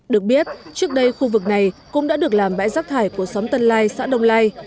được biết trước đây khu vực này cũng đã được làm bãi rác thải của xóm tân lai xã đông lai